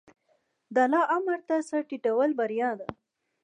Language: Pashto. د الله امر ته سر ټیټول بریا ده.